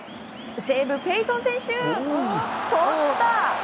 西武ペイトン選手、とった！